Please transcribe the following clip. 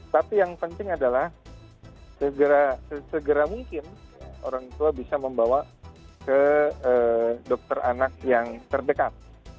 tapi yang penting adalah segera mungkin orang tua bisa membawa ke dokter anak yang terdekat